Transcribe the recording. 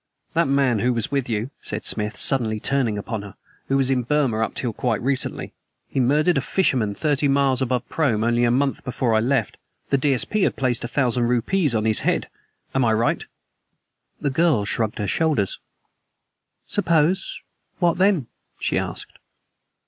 "That man who was with you," said Smith, suddenly turning upon her, "was in Burma up till quite recently. He murdered a fisherman thirty miles above Prome only a month before I left. The D.S.P. had placed a thousand rupees on his head. Am I right?" The girl shrugged her shoulders. "Suppose What then?" she asked.